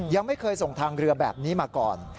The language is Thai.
ยังไม่เคยส่งทางเรือแบบนี้มาก่อน